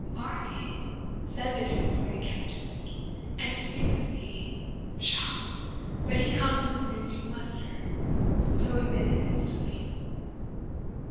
"Varney?" said the disappointed Countess; "and to speak with me? pshaw! But he comes with news from Leicester, so admit him instantly."